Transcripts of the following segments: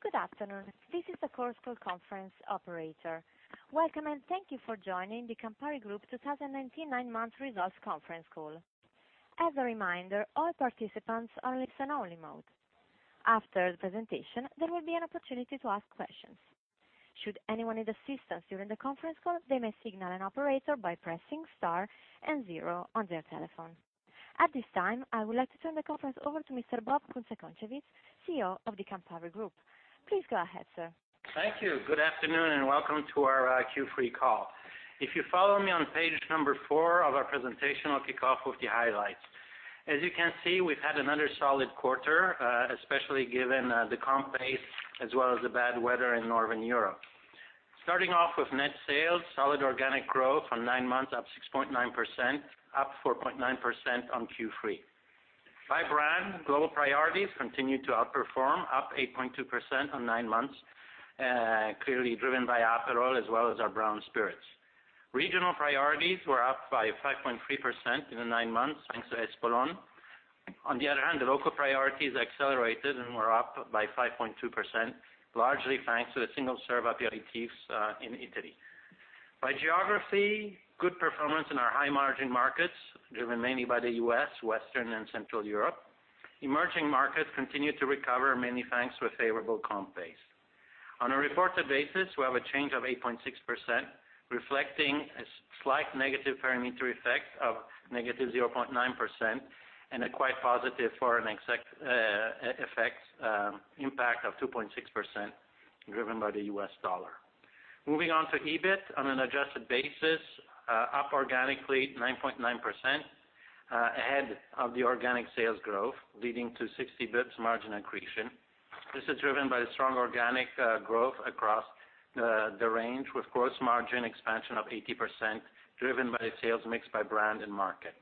Good afternoon. This is the Chorus Call conference operator. Welcome, and thank you for joining the Campari Group 2019 nine-month results conference call. As a reminder, all participants are in listen-only mode. After the presentation, there will be an opportunity to ask questions. Should anyone need assistance during the conference call, they may signal an operator by pressing Star and zero on their telephone. At this time, I would like to turn the conference over to Mr. Bob Kunze-Concewitz, CEO of the Campari Group. Please go ahead, sir. Thank you. Good afternoon, welcome to our Q3 call. If you follow me on page 4 of our presentation, I'll kick off with the highlights. As you can see, we've had another solid quarter, especially given the comp base as well as the bad weather in Northern Europe. Starting off with net sales, solid organic growth on nine months, up 6.9%, up 4.9% on Q3. By brand, global priorities continued to outperform, up 8.2% on nine months, clearly driven by Aperol as well as our brown spirits. Regional priorities were up by 5.3% in the nine months, thanks to Espolón. On the other hand, the local priorities accelerated and were up by 5.2%, largely thanks to the single-serve aperitifs in Italy. By geography, good performance in our high-margin markets, driven mainly by the U.S., Western and Central Europe. Emerging markets continued to recover, mainly thanks to a favorable comp base. On a reported basis, we have a change of 8.6%, reflecting a slight negative parameter effect of negative 0.9% and a quite positive foreign impact of 2.6%, driven by the U.S. dollar. Moving on to EBIT, on an adjusted basis, up organically 9.9%, ahead of the organic sales growth, leading to 60 basis points margin accretion. This is driven by strong organic growth across the range, with gross margin expansion of 80%, driven by sales mix by brand and market.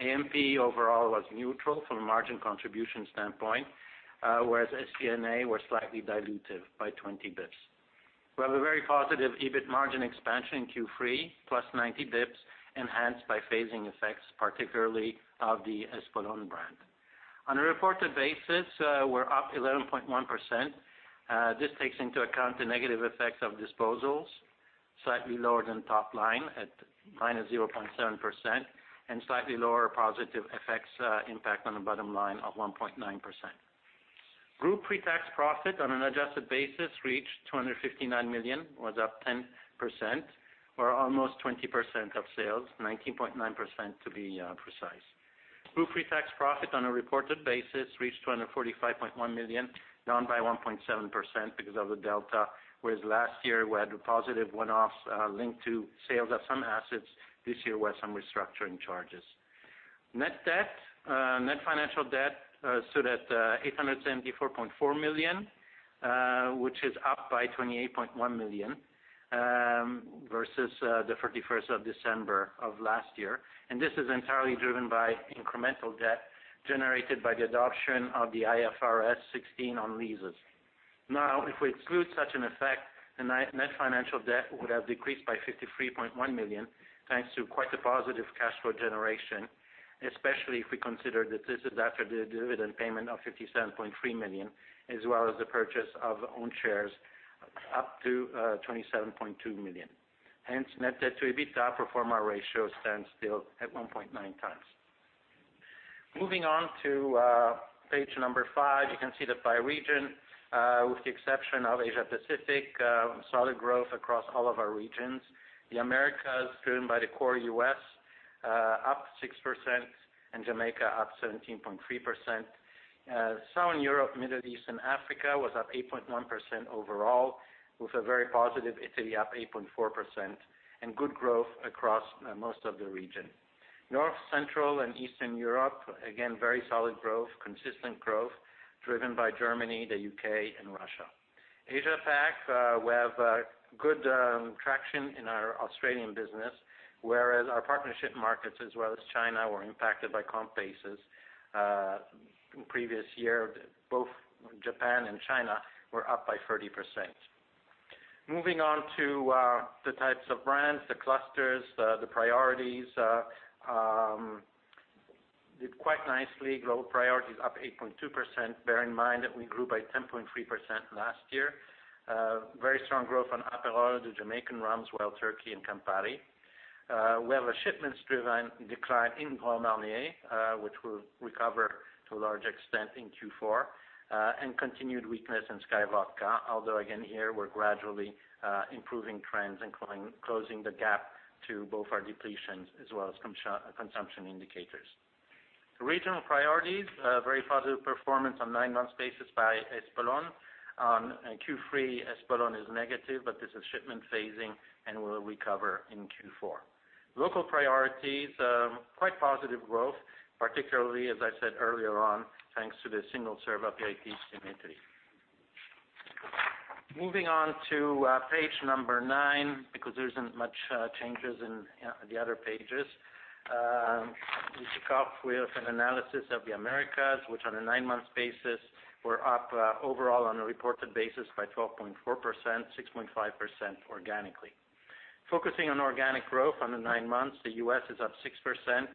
AMP overall was neutral from a margin contribution standpoint, whereas SG&A were slightly dilutive by 20 basis points. We have a very positive EBIT margin expansion in Q3, plus 90 basis points, enhanced by phasing effects, particularly of the Espolòn brand. On a reported basis, we're up 11.1%. This takes into account the negative effects of disposals, slightly lower than top line at -0.7%, and slightly lower positive effects impact on the bottom line of 1.9%. Group pretax profit on an adjusted basis reached 259 million, was up 10% or almost 20% of sales, 19.9% to be precise. Group pretax profit on a reported basis reached 245.1 million, down by 1.7% because of the delta, whereas last year we had positive one-offs linked to sales of some assets, this year we had some restructuring charges. Net financial debt stood at 874.4 million, which is up by 28.1 million versus the 31st of December of last year. This is entirely driven by incremental debt generated by the adoption of the IFRS 16 on leases. If we exclude such an effect, the net financial debt would have decreased by 53.1 million, thanks to quite a positive cash flow generation, especially if we consider that this is after the dividend payment of 57.3 million, as well as the purchase of own shares up to 27.2 million. Net debt to EBITDA performer ratio stands still at 1.9 times. Moving on to page number five, you can see that by region, with the exception of Asia-Pacific, solid growth across all of our regions. The Americas, driven by the core U.S., up 6%, and Jamaica up 17.3%. Southern Europe, Middle East, and Africa was up 8.1% overall, with a very positive Italy up 8.4%, and good growth across most of the region. North, Central, and Eastern Europe, again, very solid growth, consistent growth driven by Germany, the U.K., and Russia. Asia Pac, we have good traction in our Australian business, whereas our partnership markets as well as China were impacted by comp bases. Previous year, both Japan and China were up by 30%. Moving on to the types of brands, the clusters, the priorities, did quite nicely. Global priorities up 8.2%. Bear in mind that we grew by 10.3% last year. Very strong growth on Aperol, the Jamaican rums, Wild Turkey, and Campari. We have a shipments decline in Grand Marnier, which will recover to a large extent in Q4, and continued weakness in SKYY Vodka. Although again, here we're gradually improving trends and closing the gap to both our depletions as well as consumption indicators. Regional priorities, very positive performance on nine-month basis by Espolòn. On Q3, Espolòn is negative, but this is shipment phasing and will recover in Q4. Local priorities, quite positive growth, particularly, as I said earlier on, thanks to the single-serve aperitifs in Italy. Moving on to page number nine, because there isn't much changes in the other pages. We kick off with an analysis of the Americas, which on a nine-month basis, were up overall on a reported basis by 12.4%, 6.5% organically. Focusing on organic growth on the nine months, the U.S. is up 6%.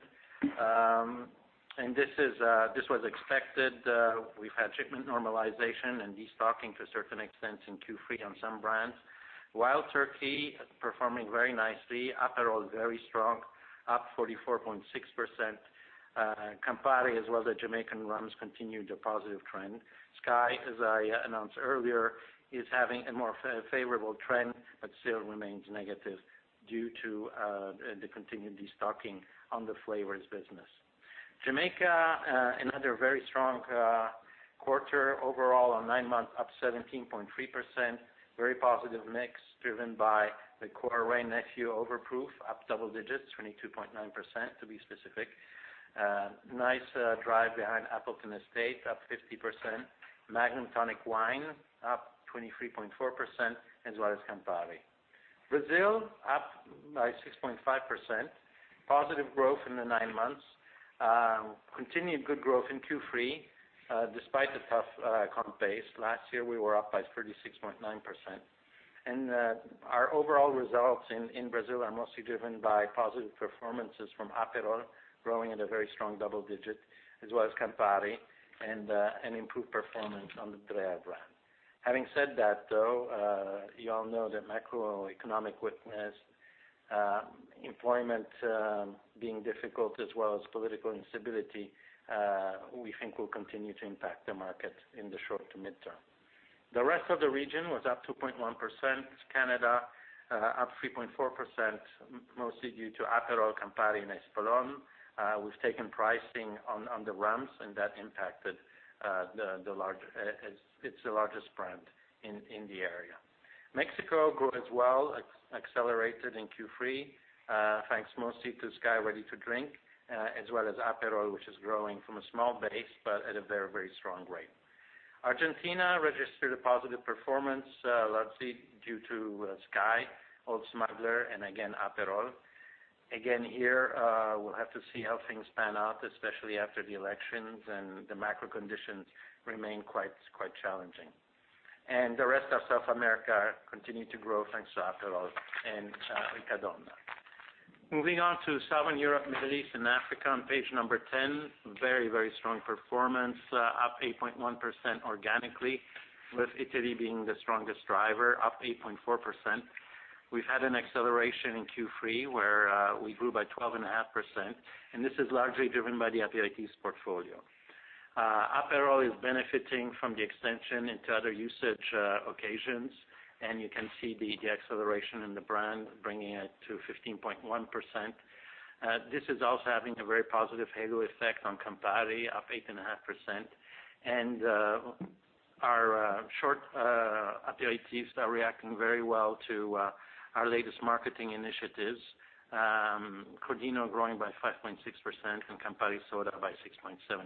This was expected. We've had shipment normalization and de-stocking to a certain extent in Q3 on some brands. Wild Turkey is performing very nicely, Aperol very strong, up 44.6%. Campari, as well the Jamaican rums, continued a positive trend. SKYY, as I announced earlier, is having a more favorable trend, still remains negative due to the continued de-stocking on the flavors business. Jamaica, another very strong quarter overall on nine months, up 17.3%. Very positive mix driven by the core Wray & Nephew Overproof, up double digits, 22.9%, to be specific. Nice drive behind Appleton Estate, up 50%. Magnum Tonic Wine up 23.4%, as well as Campari. Brazil, up by 6.5%. Positive growth in the nine months. Continued good growth in Q3, despite the tough comp base. Last year we were up by 36.9%. Our overall results in Brazil are mostly driven by positive performances from Aperol, growing at a very strong double digit, as well as Campari, and improved performance on the Dreher brand. Having said that, though, you all know that macroeconomic weakness, employment being difficult, as well as political instability, we think will continue to impact the market in the short to mid-term. The rest of the region was up 2.1%. Canada up 3.4%, mostly due to Aperol, Campari, and Espolòn. We've taken pricing on the rums. It's the largest brand in the area. Mexico grew as well, accelerated in Q3, thanks mostly to SKYY Ready to Drink, as well as Aperol, which is growing from a small base, but at a very strong rate. Argentina registered a positive performance, largely due to SKYY, Old Smuggler, and again, Aperol. Again here, we'll have to see how things pan out, especially after the elections. The macro conditions remain quite challenging. The rest of South America continued to grow, thanks to Aperol and Riccadonna. Moving on to Southern Europe, Middle East, and Africa on page number 10. Very strong performance, up 8.1% organically, with Italy being the strongest driver, up 8.4%. We've had an acceleration in Q3, where we grew by 12.5%. This is largely driven by the Aperitifs portfolio. Aperol is benefiting from the extension into other usage occasions. You can see the de-acceleration in the brand, bringing it to 15.1%. This is also having a very positive halo effect on Campari, up 8.5%, and our short aperitifs are reacting very well to our latest marketing initiatives. Crodino growing by 5.6% and Campari Soda by 6.7%.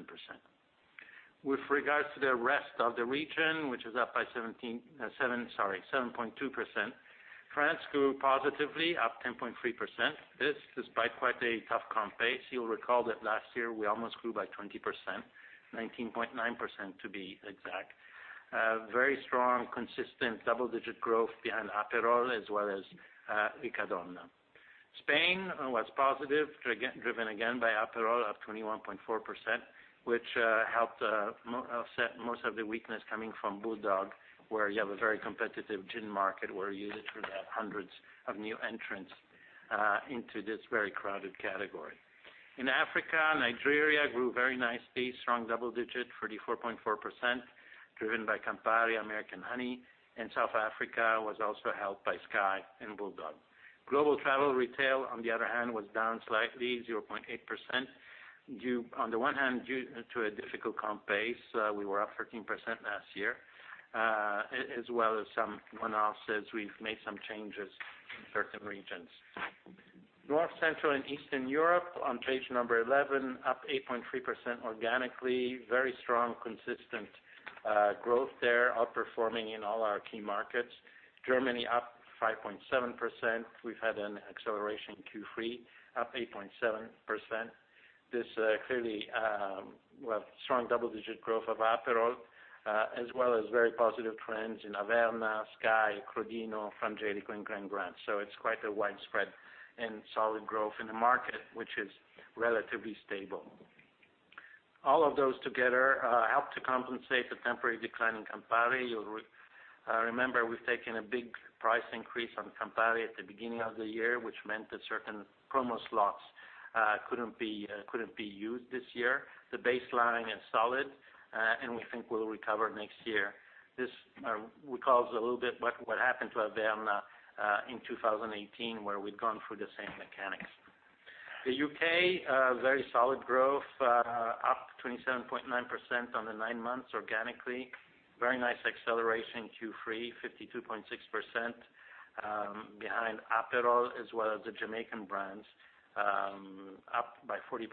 With regards to the rest of the region, which is up by 7.2%, France grew positively, up 10.3%. This despite quite a tough comp base. You'll recall that last year we almost grew by 20%, 19.9% to be exact. Very strong, consistent double-digit growth behind Aperol as well as Riccadonna. Spain was positive, driven again by Aperol, up 21.4%, which helped offset most of the weakness coming from BULLDOG, where you have a very competitive gin market where users have hundreds of new entrants into this very crowded category. In Africa, Nigeria grew very nicely, strong double-digit, 44.4%, driven by Campari, American Honey. South Africa was also helped by SKYY and BULLDOG. Global travel retail, on the other hand, was down slightly, 0.8%. On the one hand, due to a difficult comp base, we were up 13% last year, as well as some one-offs as we've made some changes in certain regions. North, Central, and Eastern Europe on page number 11, up 8.3% organically. Very strong, consistent growth there. Outperforming in all our key markets. Germany up 5.7%. We've had an acceleration in Q3, up 8.7%. Well, strong double-digit growth of Aperol, as well as very positive trends in Averna, SKYY, Crodino, Frangelico, and Grand brands. It's quite a widespread and solid growth in the market, which is relatively stable. All of those together help to compensate the temporary decline in Campari. You'll remember we've taken a big price increase on Campari at the beginning of the year, which meant that certain promo slots couldn't be used this year. The baseline is solid, and we think we'll recover next year. This recalls a little bit what happened to Averna in 2018, where we'd gone through the same mechanics. The U.K., very solid growth, up 27.9% on the 9 months organically. Very nice acceleration in Q3, 52.6%, behind Aperol as well as the Jamaican brands, up by 40.8%,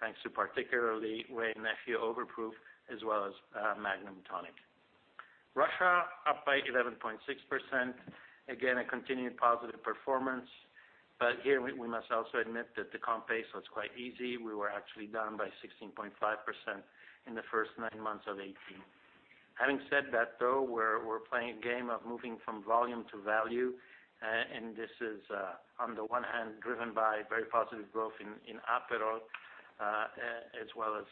thanks to particularly Wray & Nephew Overproof as well as Magnum Tonic. Russia, up by 11.6%. Again, a continued positive performance. Here we must also admit that the comp pace was quite easy. We were actually down by 16.5% in the first 9 months of 2018. Having said that though, we're playing a game of moving from volume to value, this is on the one hand driven by very positive growth in Aperol, as well as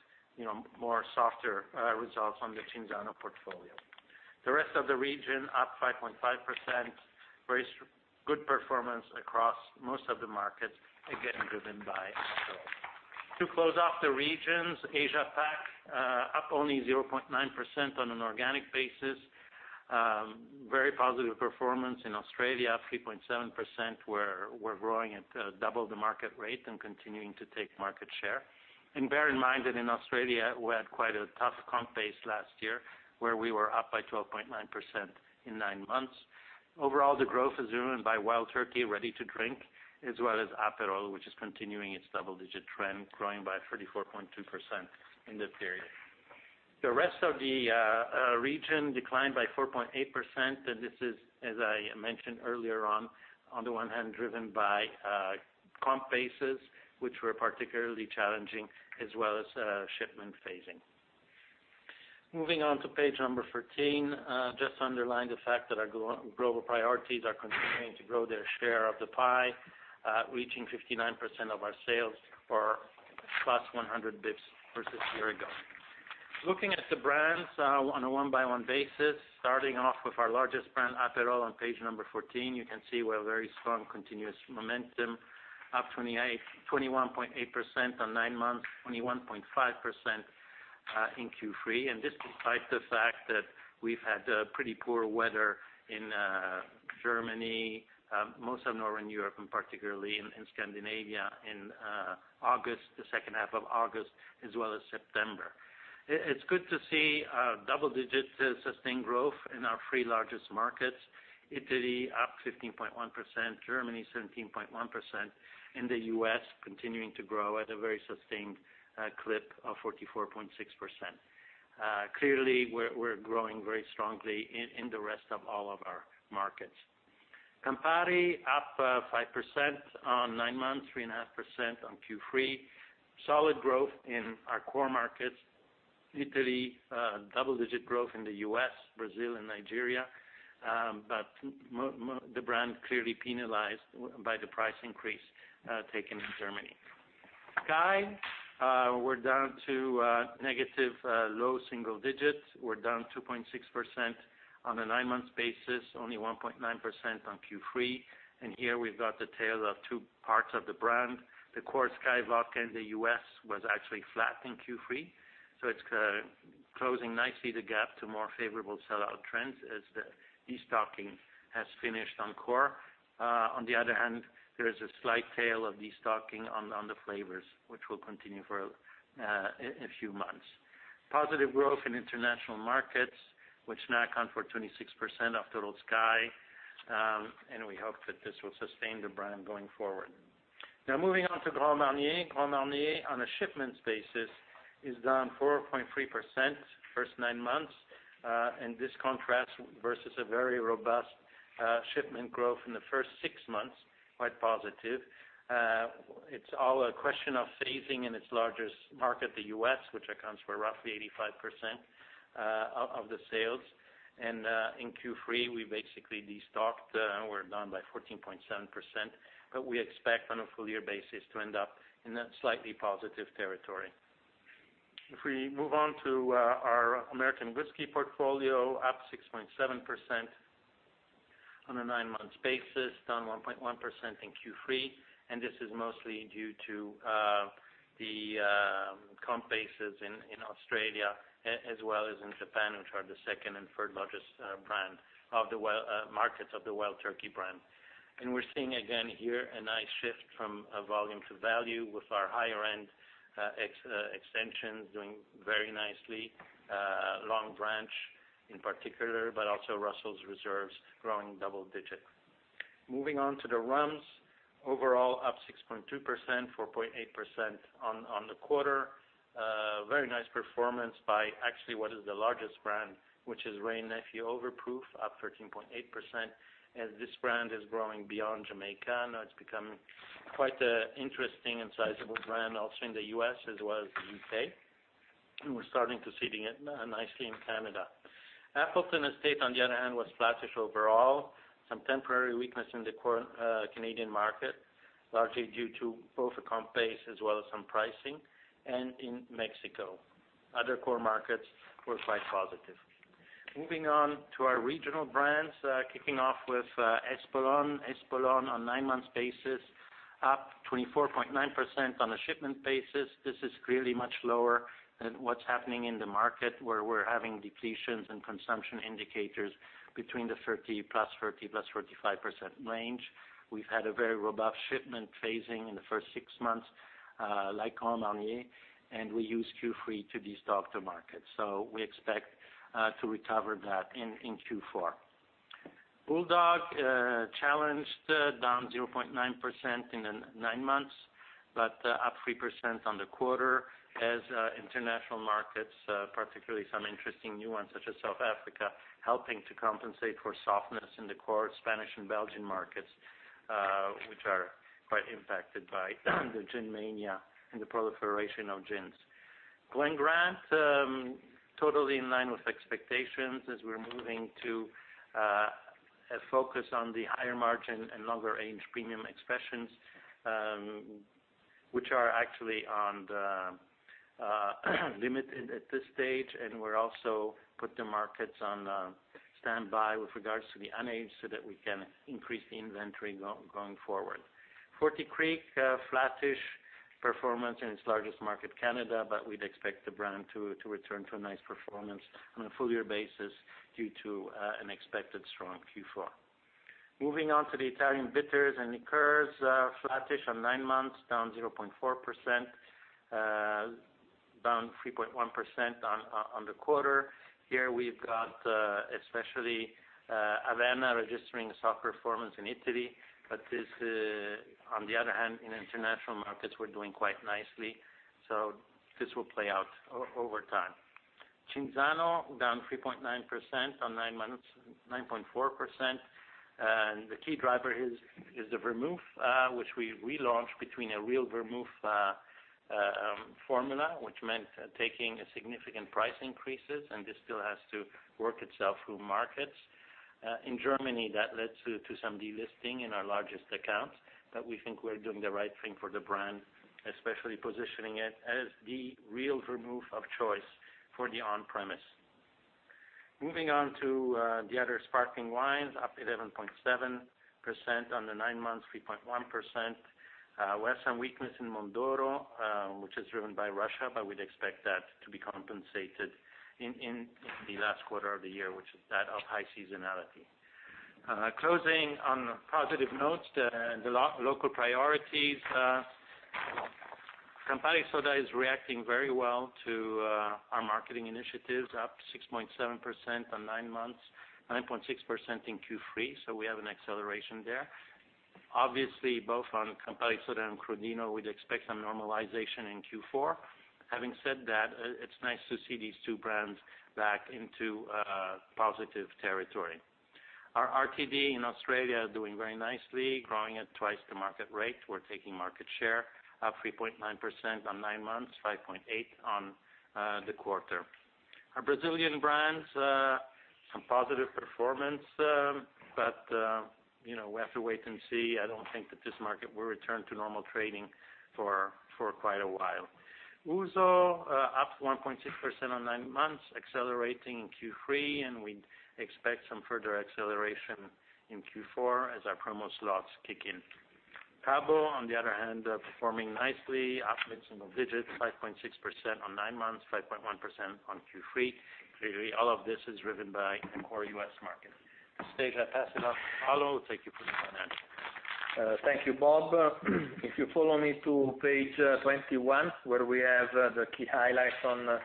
more softer results on the Cinzano portfolio. The rest of the region up 5.5%, very good performance across most of the markets, again, driven by Aperol. To close off the regions, Asia Pac up only 0.9% on an organic basis. Very positive performance in Australia, 3.7%, we're growing at double the market rate and continuing to take market share. Bear in mind that in Australia we had quite a tough comp base last year where we were up by 12.9% in nine months. Overall, the growth is driven by Wild Turkey Ready to Drink, as well as Aperol, which is continuing its double-digit trend, growing by 34.2% in the period. The rest of the region declined by 4.8%. This is, as I mentioned earlier on the one hand driven by comp bases, which were particularly challenging, as well as shipment phasing. Moving on to page 13, just to underline the fact that our global priorities are continuing to grow their share of the pie, reaching 59% of our sales or plus 100 basis points versus a year ago. Looking at the brands on a one-by-one basis, starting off with our largest brand, Aperol, on page 14. You can see we have very strong continuous momentum, up 21.8% on nine months, 21.5% in Q3. This despite the fact that we've had pretty poor weather in Germany, most of Northern Europe, and particularly in Scandinavia in the second half of August as well as September. It's good to see double-digit sustained growth in our three largest markets. Italy up 15.1%, Germany 17.1%, and the U.S. continuing to grow at a very sustained clip of 44.6%. Clearly, we're growing very strongly in the rest of all of our markets. Campari up 5% on nine months, 3.5% on Q3. Solid growth in our core markets, Italy, double-digit growth in the U.S., Brazil, and Nigeria. The brand clearly penalized by the price increase taken in Germany. SKYY, we're down to negative low single digits. We're down 2.6% on a nine-month basis, only 1.9% on Q3. Here we've got the tale of two parts of the brand. The core SKYY Vodka in the U.S. was actually flat in Q3, so it's closing nicely the gap to more favorable sell-out trends as the de-stocking has finished on core. On the other hand, there is a slight tale of de-stocking on the flavors, which will continue for a few months. Positive growth in international markets, which now account for 26% of total SKYY. We hope that this will sustain the brand going forward. Now moving on to Grand Marnier. Grand Marnier, on a shipments basis, is down 4.3% first nine months. This contrasts versus a very robust shipment growth in the first six months, quite positive. It's all a question of phasing in its largest market, the U.S., which accounts for roughly 85% of the sales. In Q3, we basically de-stocked. We're down by 14.7%, but we expect on a full year basis to end up in a slightly positive territory. If we move on to our American whiskey portfolio, up 6.7% on a nine-month basis, down 1.1% in Q3. This is mostly due to the comp bases in Australia as well as in Japan, which are the second and third largest markets of the Wild Turkey brand. We're seeing again here a nice shift from volume to value with our higher-end extensions doing very nicely. Longbranch in particular, but also Russell's Reserve growing double digits. Moving on to the rums. Overall up 6.2%, 4.8% on the quarter. Very nice performance by actually what is the largest brand, which is Wray & Nephew Overproof, up 13.8%, as this brand is growing beyond Jamaica. Now it's become quite an interesting and sizable brand also in the U.S. as well as the U.K. We're starting to see it nicely in Canada. Appleton Estate, on the other hand, was flattish overall. Some temporary weakness in the Canadian market, largely due to both a comp base as well as some pricing. In Mexico, other core markets were quite positive. Moving on to our regional brands, kicking off with Espolòn. Espolòn on 9 months basis up 24.9% on a shipment basis. This is clearly much lower than what's happening in the market where we're having depletions and consumption indicators between the +30%-+35% range. We've had a very robust shipment phasing in the first six months, like Grand Marnier. We used Q3 to de-stock the market. We expect to recover that in Q4. BULLDOG, challenged, down 0.9% in the nine months. Up 3% on the quarter as international markets, particularly some interesting new ones such as South Africa, helping to compensate for softness in the core Spanish and Belgian markets, which are quite impacted by the gin mania and the proliferation of gins. Glen Grant, totally in line with expectations as we're moving to focus on the higher margin and longer range premium expressions, which are actually on the limited at this stage, and we're also put the markets on standby with regards to the unaged, so that we can increase the inventory going forward. Forty Creek, a flattish performance in its largest market, Canada, but we'd expect the brand to return to a nice performance on a full year basis due to an expected strong Q4. Moving on to the Italian bitters and liqueurs, flattish on 9 months, down 0.4%, down 3.1% on the quarter. Here we've got, especially Averna registering soft performance in Italy, but on the other hand, in international markets, we're doing quite nicely. This will play out over time. Cinzano, down 3.9% on 9 months, 9.4%, and the key driver is the Vermouth, which we relaunched between a real Vermouth formula, which meant taking significant price increases, and this still has to work itself through markets. In Germany, that led to some delisting in our largest accounts, but we think we're doing the right thing for the brand, especially positioning it as the real Vermouth of choice for the on-premise. Moving on to the other sparkling wines, up 11.7% on the 9 months, 3.1%. We have some weakness in Mondoro, which is driven by Russia, but we'd expect that to be compensated in the last quarter of the year, which is that of high seasonality. Closing on a positive note, the local priorities. Campari Soda is reacting very well to our marketing initiatives, up 6.7% on nine months, 9.6% in Q3, so we have an acceleration there. Obviously, both on Campari Soda and Crodino, we'd expect some normalization in Q4. Having said that, it's nice to see these two brands back into positive territory. Our RTD in Australia are doing very nicely, growing at twice the market rate. We're taking market share, up 3.9% on nine months, 5.8% on the quarter. Our Brazilian brands, some positive performance, but we have to wait and see. I don't think that this market will return to normal trading for quite a while. Ouzo, up 1.6% on nine months, accelerating in Q3. We expect some further acceleration in Q4 as our promo slots kick in. Cabo, on the other hand, performing nicely, up mid-single digits, 5.6% on nine months, 5.1% on Q3. Clearly, all of this is driven by the core U.S. market. With this, I pass it on to Paolo. Thank you for the financial. Thank you, Bob. If you follow me to page 21, where we have the key highlights on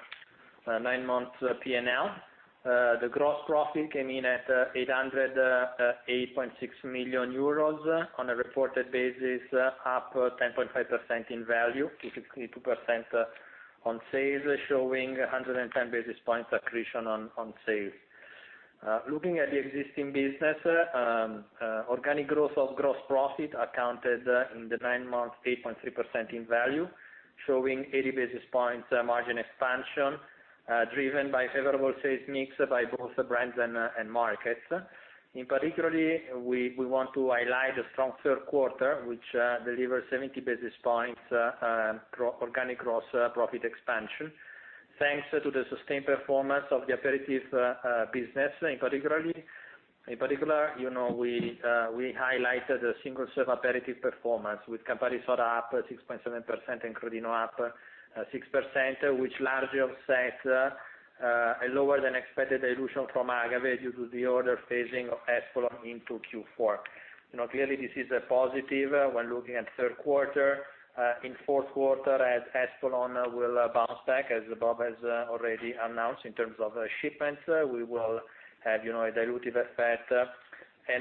nine months P&L. The gross profit came in at 808.6 million euros on a reported basis, up 10.5% in value to 62% on sales, showing 110 basis points accretion on sales. Looking at the existing business, organic growth of gross profit accounted in the nine months, 8.3% in value, showing 80 basis points margin expansion, driven by favorable sales mix by both the brands and markets. In particularly, we want to highlight the strong third quarter, which delivers 70 basis points organic gross profit expansion. Thanks to the sustained performance of the Aperitif business. In particular, we highlighted the single serve Aperitif performance with Campari Soda up 6.7% and Crodino up 6%, which largely offsets a lower than expected dilution from Agave due to the order phasing of Espolòn into Q4. This is a positive when looking at third quarter. Fourth quarter, as Espolòn will bounce back, as Bob has already announced in terms of shipments, we will have a dilutive effect.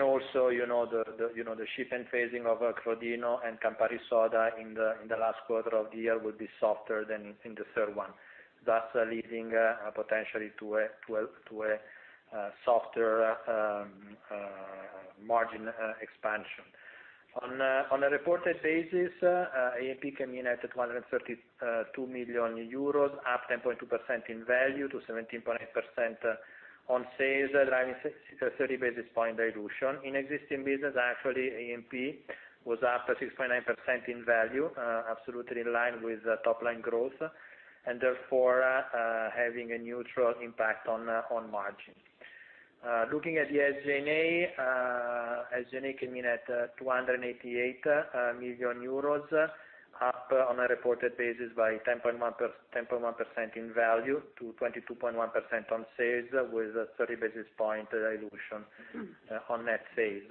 Also, the shipment phasing of Crodino and Campari Soda in the last quarter of the year will be softer than in the third one, thus leading potentially to a softer margin expansion. On a reported basis, A&P came in at 232 million euros, up 10.2% in value to 17.8% on sales, driving 30 basis point dilution. Existing business, actually, A&P was up 6.9% in value, absolutely in line with top-line growth, therefore, having a neutral impact on margin. Looking at the SG&A, SG&A came in at 288 million euros, up on a reported basis by 10.1% in value to 22.1% on sales, with 30 basis point dilution on net sales.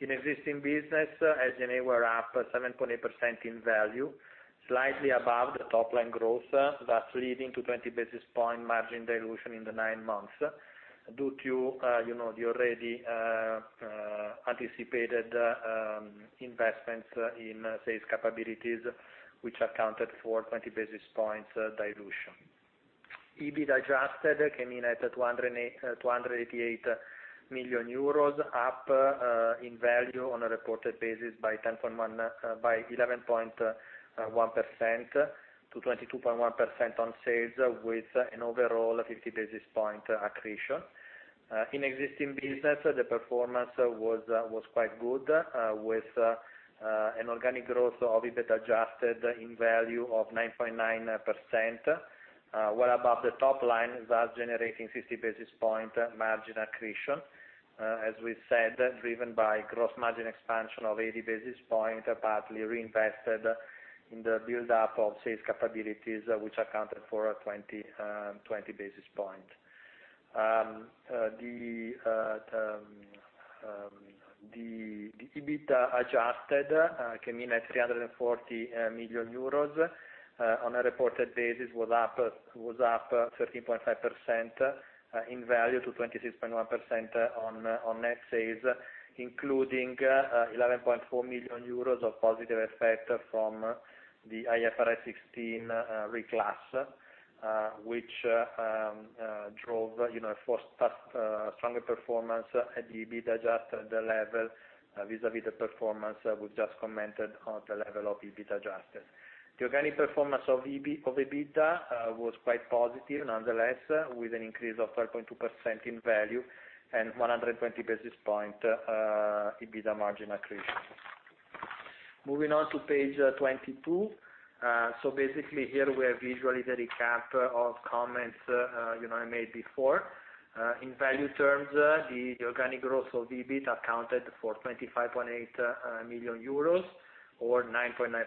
In existing business, SG&A were up 7.8% in value, slightly above the top-line growth, thus leading to 20 basis point margin dilution in the nine months due to the already anticipated investments in sales capabilities, which accounted for 20 basis points dilution. EBIT adjusted came in at 288 million euros, up in value on a reported basis by 11.1% to 22.1% on sales, with an overall 50 basis point accretion. In existing business, the performance was quite good, with an organic growth of EBIT adjusted in value of 9.9%, well above the top-line, thus generating 50 basis point margin accretion. As we said, driven by gross margin expansion of 80 basis point, partly reinvested in the build up of sales capabilities, which accounted for a 20 basis point. The EBIT adjusted came in at 340 million euros. On a reported basis, was up 13.5% in value to 26.1% on net sales, including 11.4 million euros of positive effect from the IFRS 16 reclass, which drove a stronger performance at the EBIT adjusted, the level vis-a-vis the performance we've just commented on the level of EBIT adjusted. The organic performance of EBITDA was quite positive nonetheless, with an increase of 3.2% in value and 120 basis point EBITDA margin accretion. Moving on to page 22. Basically here we have visually the recap of comments I made before. In value terms, the organic growth of EBIT accounted for 25.8 million euros or 9.9%.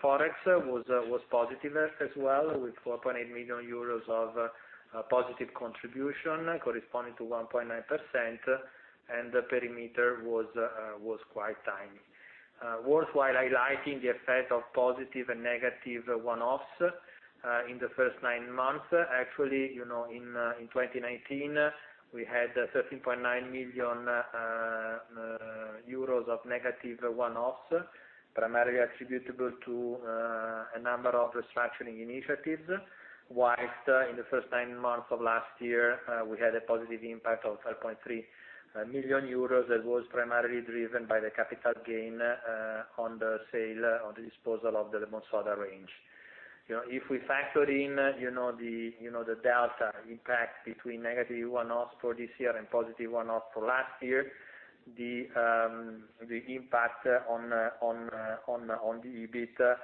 Forex was positive as well, with 4.8 million euros of positive contribution corresponding to 1.9%, and the perimeter was quite tiny. Worthwhile highlighting the effect of positive and negative one-offs in the first nine months. Actually, in 2019, we had 13.9 million euros of negative one-offs, primarily attributable to a number of restructuring initiatives, whilst in the first nine months of last year, we had a positive impact of 3.3 million euros that was primarily driven by the capital gain on the disposal of the LemonSoda range. If we factor in the delta impact between negative one-offs for this year and positive one-offs for last year, the impact on the EBIT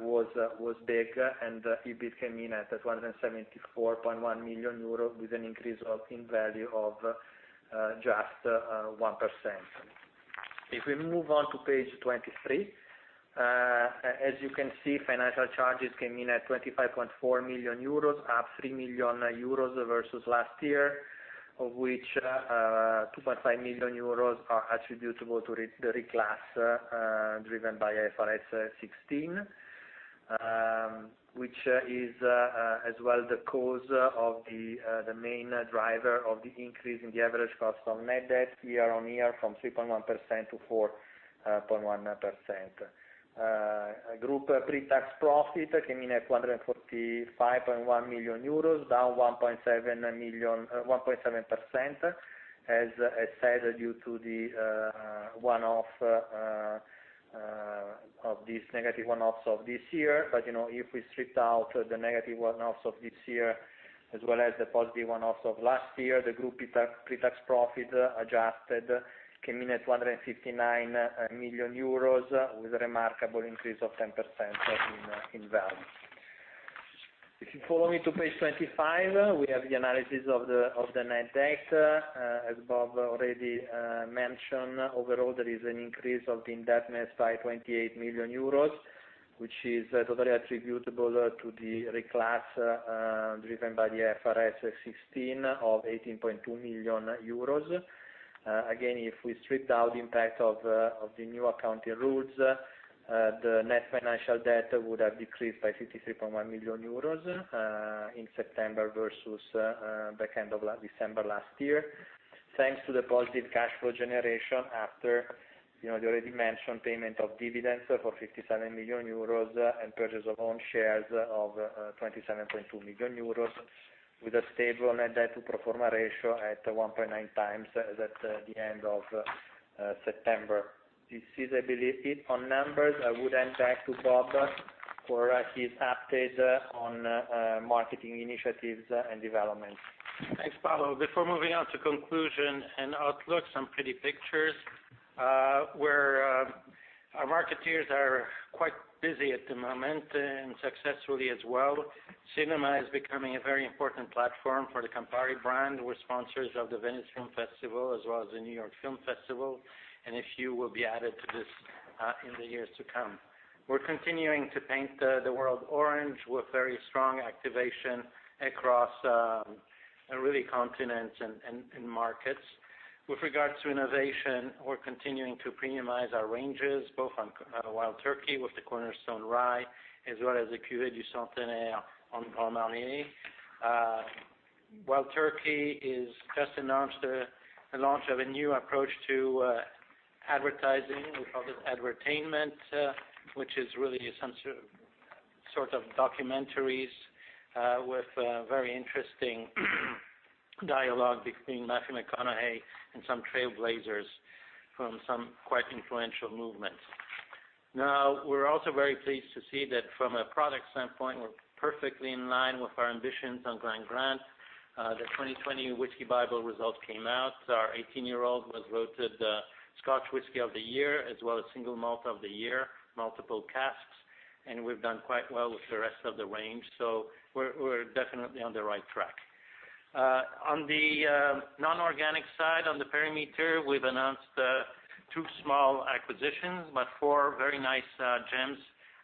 was big, and EBIT came in at 174.1 million euros, with an increase in value of just 1%. If we move on to page 23, as you can see, financial charges came in at 25.4 million euros, up 3 million euros versus last year, of which 2.5 million euros are attributable to the reclass driven by IFRS 16, which is as well the cause of the main driver of the increase in the average cost of net debt year-on-year from 3.1% to 4.1%. Group pre-tax profit came in at 145.1 million euros, down 1.7% as stated due to the negative one-offs of this year. If we stripped out the negative one-offs of this year as well as the positive one-offs of last year, the group pre-tax profit adjusted came in at 159 million euros with a remarkable increase of 10% in value. If you follow me to page 25, we have the analysis of the net debt. As Bob already mentioned, overall, there is an increase of the indebtedness by 28 million euros, which is totally attributable to the reclass driven by the IFRS 16 of 18.2 million euros. If we strip out the impact of the new accounting rules, the net financial debt would have decreased by 53.1 million euros in September versus the end of December last year, thanks to the positive cash flow generation after the already mentioned payment of dividends for 57 million euros and purchase of own shares of 27.2 million euros, with a stable net debt to pro forma ratio at 1.9 times as at the end of September. This is, I believe, it on numbers. I would hand back to Bob for his update on marketing initiatives and development. Thanks, Paolo. Before moving on to conclusion and outlook, some pretty pictures where our marketeers are quite busy at the moment, and successfully as well. Cinema is becoming a very important platform for the Campari brand. We're sponsors of the Venice Film Festival, as well as the New York Film Festival, and a few will be added to this in the years to come. We're continuing to paint the world orange with very strong activation across, really, continents and markets. With regards to innovation, we're continuing to premiumize our ranges, both on Wild Turkey with the Cornerstone Rye, as well as the Cuvée du Centenaire on Grand Marnier. While Turkey has just announced the launch of a new approach to advertising, we call this advertainment, which is really some sort of documentaries with very interesting dialogue between Matthew McConaughey and some trailblazers from some quite influential movements. We're also very pleased to see that from a product standpoint, we're perfectly in line with our ambitions on Glen Grant. The 2020 Whisky Bible results came out. Our 18-year-old was voted Scotch Whisky of the Year, as well as Single Malt of the Year, Multiple Casks, and we've done quite well with the rest of the range. We're definitely on the right track. On the non-organic side, on the perimeter, we've announced two small acquisitions, but four very nice gems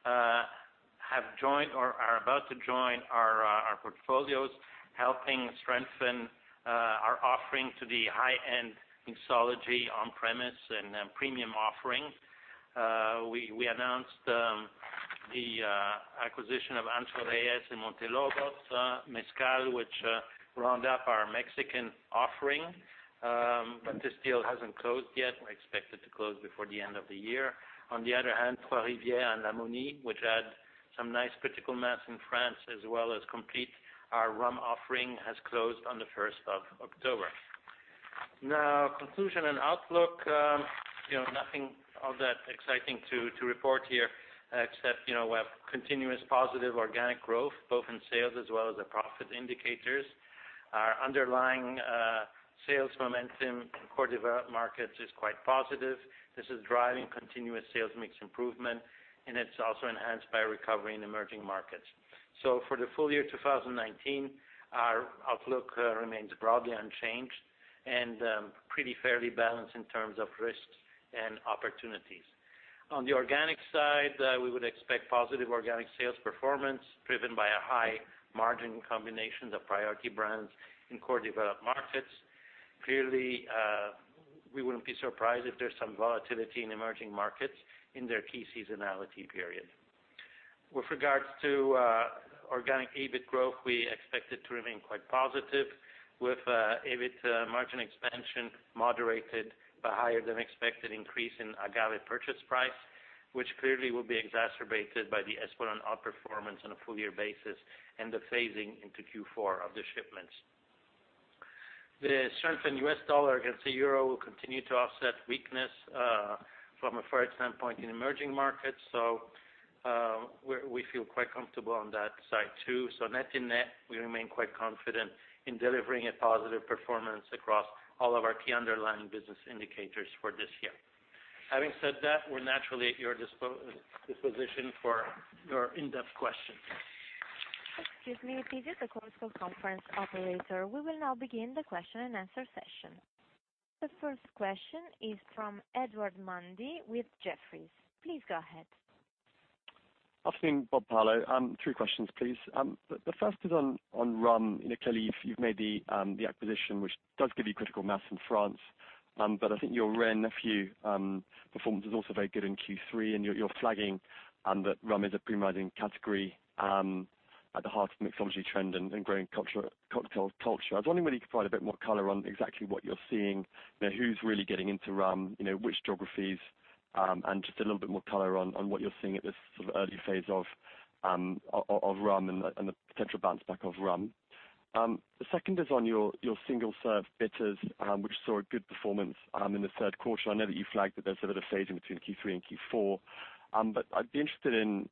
have joined or are about to join our portfolios, helping strengthen our offering to the high-end mixology on-premise and premium offering. We announced the acquisition of Ancho Reyes & Montelobos Mezcal, which round up our Mexican offering. This deal hasn't closed yet. We expect it to close before the end of the year. On the other hand, Trois Rivières and La Mauny, which add some nice critical mass in France as well as complete our rum offering, has closed on the 1st of October. Conclusion and outlook. Nothing all that exciting to report here, except we have continuous positive organic growth, both in sales as well as the profit indicators. Our underlying sales momentum in core developed markets is quite positive. This is driving continuous sales mix improvement, and it is also enhanced by recovery in emerging markets. For the full year 2019, our outlook remains broadly unchanged and pretty fairly balanced in terms of risks and opportunities. On the organic side, we would expect positive organic sales performance driven by a high margin combination of priority brands in core developed markets. Clearly, we wouldn't be surprised if there is some volatility in emerging markets in their key seasonality period. With regards to organic EBIT growth, we expect it to remain quite positive with EBIT margin expansion moderated by higher than expected increase in agave purchase price, which clearly will be exacerbated by the Espolón outperformance on a full year basis and the phasing into Q4 of the shipments. The strength in the U.S. dollar against the euro will continue to offset weakness from a FX standpoint in emerging markets. We feel quite comfortable on that side, too. net in net, we remain quite confident in delivering a positive performance across all of our key underlying business indicators for this year. Having said that, we're naturally at your disposition for your in-depth questions. Excuse me. This is the Chorus Call conference operator. We will now begin the question and answer session. The first question is from Edward Mundy with Jefferies. Please go ahead. Afternoon, Bob, Paolo. Three questions, please. The first is on rum. Clearly, you've made the acquisition, which does give you critical mass in France. I think your Wray & Nephew performance is also very good in Q3, and you're flagging that rum is a premiumizing category at the heart of mixology trend and growing cocktail culture. I was wondering whether you could provide a bit more color on exactly what you're seeing. Who's really getting into rum, which geographies? Just a little bit more color on what you're seeing at this early phase of rum and the potential bounce back of rum. The second is on your single serve bitters, which saw a good performance in the third quarter. I know that you flagged that there's a bit of phasing between Q3 and Q4. I'd be interested in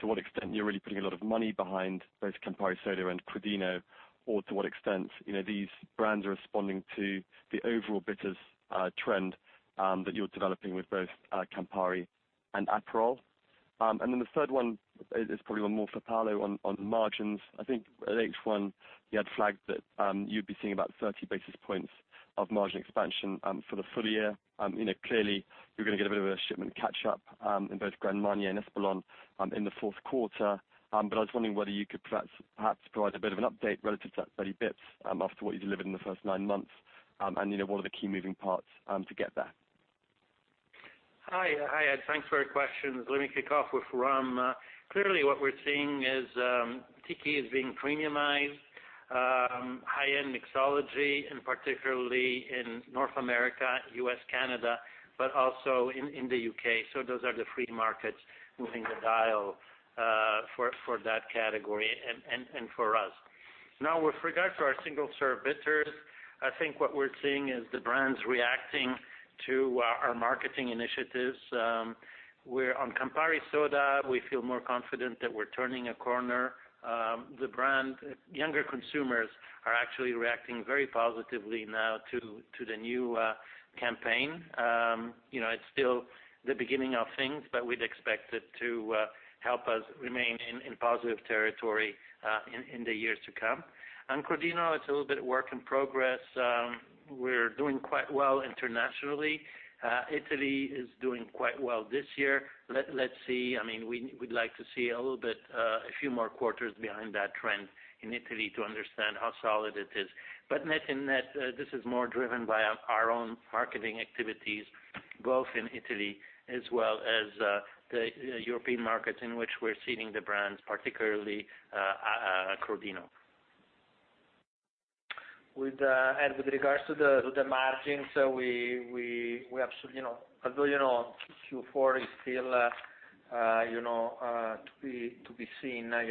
to what extent you're really putting a lot of money behind both Campari Soda and Crodino, or to what extent these brands are responding to the overall bitters trend that you're developing with both Campari and Aperol. The third one is probably one more for Paolo on margins. I think at H1, you had flagged that you'd be seeing about 30 basis points of margin expansion for the full year. Clearly, you're going to get a bit of a shipment catch up in both Grand Marnier and Espolòn in the fourth quarter. I was wondering whether you could perhaps provide a bit of an update relative to that 30 basis points after what you delivered in the first nine months, and what are the key moving parts to get there? Hi, Ed. Thanks for your questions. Let me kick off with rum. Clearly, what we're seeing is tiki is being premiumized, high-end mixology, and particularly in North America, U.S., Canada, but also in the U.K. Those are the three markets moving the dial for that category and for us. With regard to our single serve bitters, I think what we're seeing is the brands reacting to our marketing initiatives. On Campari Soda, we feel more confident that we're turning a corner. The brand, younger consumers are actually reacting very positively now to the new campaign. It's still the beginning of things, but we'd expect it to help us remain in positive territory in the years to come. On Crodino, it's a little bit work in progress. We're doing quite well internationally. Italy is doing quite well this year. Let's see. We'd like to see a few more quarters behind that trend in Italy to understand how solid it is. Net-net, this is more driven by our own marketing activities both in Italy as well as the European markets in which we're seeding the brands, particularly Crodino. With regards to the margins, although Q4 is still to be seen, we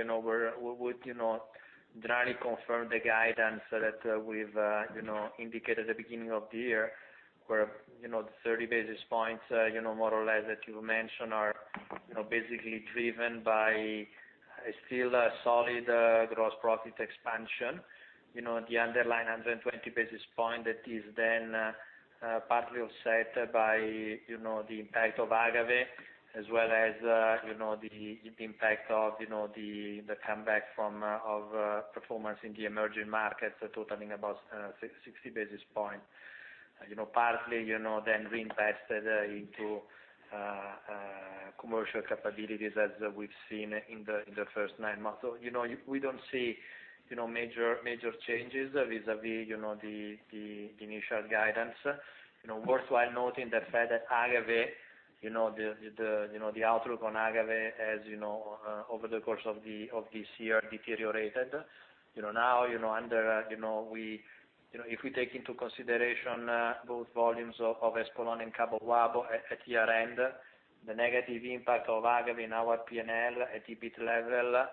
would generally confirm the guidance that we've indicated at the beginning of the year, where the 30 basis points, more or less that you mentioned, are basically driven by still a solid gross profit expansion. The underlying 120 basis point that is then partly offset by the impact of agave, as well as the impact of the comeback of performance in the emerging markets totaling about 60 basis points. Partly, then reinvested into commercial capabilities as we've seen in the first nine months. We don't see major changes vis-a-vis the initial guidance. Worthwhile noting the fact that the outlook on agave over the course of this year deteriorated. If we take into consideration both volumes of Espolòn and Cabo Wabo at year-end, the negative impact of agave in our P&L at EBIT level,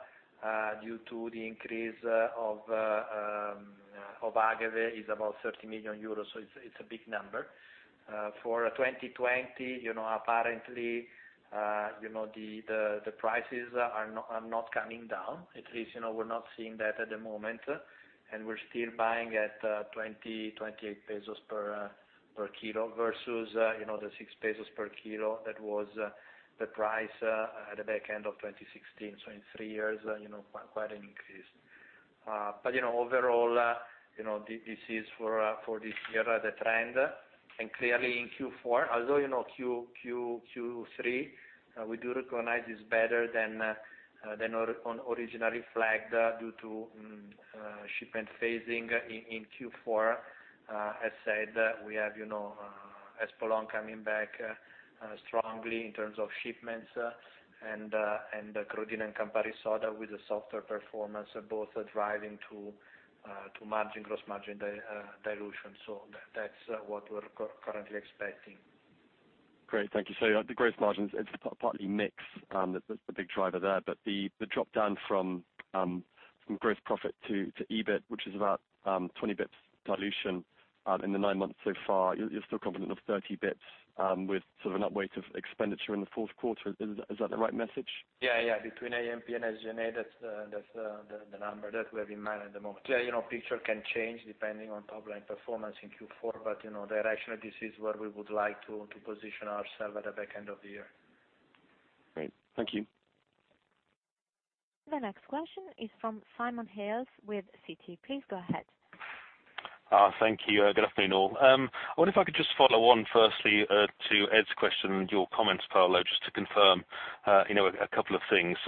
due to the increase of agave, is about 30 million euros. It's a big number. For 2020, apparently, the prices are not coming down. At least, we're not seeing that at the moment, and we're still buying at 20, 28 pesos per kilo versus the six pesos per kilo that was the price at the back end of 2016. In three years, quite an increase. Overall, this is for this year, the trend, and clearly in Q4, although, Q3, we do recognize it's better than originally flagged due to shipment phasing in Q4. As said, we have Espolòn coming back strongly in terms of shipments and Crodino and Campari Soda with a softer performance, both driving to margin, gross margin dilution. That's what we're currently expecting. Great. Thank you. The gross margins, it's partly mix that's the big driver there, but the drop-down from gross profit to EBIT, which is about 20 basis points dilution in the nine months so far, you're still confident of 30 basis points with sort of an upweight of expenditure in the fourth quarter. Is that the right message? Yeah. Between AMP and SG&A, that's the number that we have in mind at the moment. Picture can change depending on top-line performance in Q4, Directionally, this is where we would like to position ourselves at the back end of the year. Great. Thank you. The next question is from Simon Hales with Citi. Please go ahead. Thank you. Good afternoon, all. I wonder if I could just follow on firstly to Ed's question and your comments, Paolo, just to confirm a couple of things.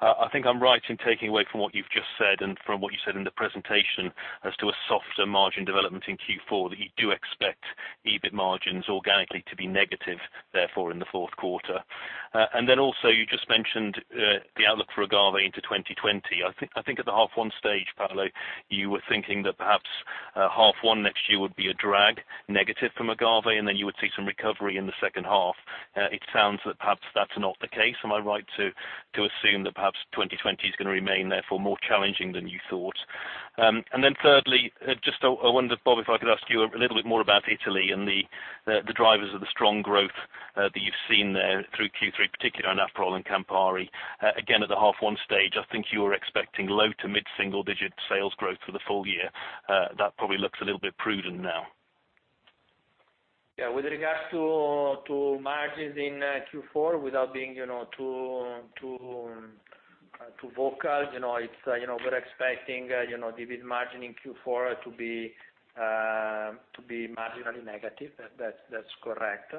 I think I'm right in taking away from what you've just said and from what you said in the presentation as to a softer margin development in Q4, that you do expect EBIT margins organically to be negative, therefore in the fourth quarter. Also, you just mentioned the outlook for agave into 2020. I think at the half one stage, Paolo, you were thinking that perhaps half one next year would be a drag negative from agave, and then you would see some recovery in the second half. It sounds that perhaps that's not the case. Am I right to assume that perhaps 2020 is going to remain, therefore more challenging than you thought? Thirdly, just I wonder, Bob, if I could ask you a little bit more about Italy and the drivers of the strong growth that you've seen there through Q3, particularly on Aperol and Campari. Again, at the half 1 stage, I think you were expecting low to mid-single digit sales growth for the full year. That probably looks a little bit prudent now. With regards to margins in Q4, without being too vocal, we're expecting EBIT margin in Q4 to be marginally negative. That's correct.